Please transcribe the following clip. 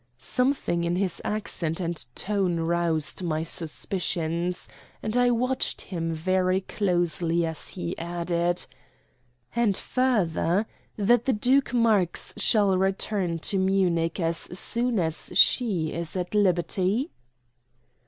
Something in his accent and tone roused my suspicions, and I watched him very closely as he added: "And further, that the Duke Marx shall return to Munich as soon as she is at liberty."